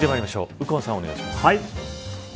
右近さん、お願いします。